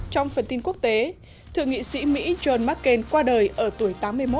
trong phần tin quốc tế thượng nghị sĩ mỹ john mccain qua đời ở tuổi tám mươi một